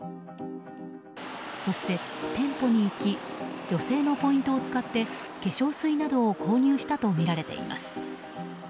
そして店舗に行き女性のポイントを使って化粧水などを購入したとみられています。